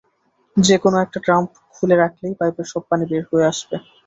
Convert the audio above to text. যে-কোনো একটা ট্র্যাপ খুলে রাখলেই পাইপের সব পানি বের হয়ে আসবে।